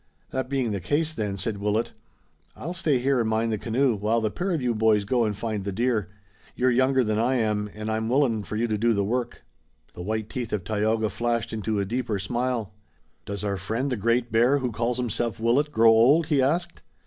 "That being the case, then," said Willet, "I'll stay here and mind the canoe, while the pair of you boys go and find the deer. You're younger than I am, an' I'm willing for you to do the work." The white teeth of Tayoga flashed into a deeper smile. "Does our friend, the Great Bear, who calls himself Willet, grow old?" he asked.